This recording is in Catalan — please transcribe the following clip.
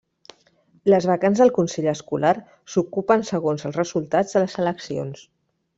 Les vacants del consell escolar s'ocupen segons els resultats de les eleccions.